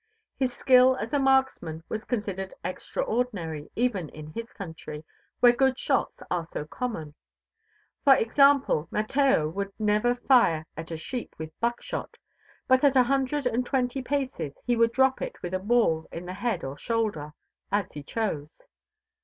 His skill as a marksman was considered extraordinary even in his country, where good shots are so common. For example, Mateo would never fire at a sheep with buckshot; but at a hundred and twenty paces, he would drop it with a ball in the head or shoulder, as he chose.